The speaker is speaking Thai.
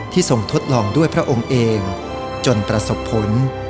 ทรงทดลองด้วยพระองค์เองจนประสบผล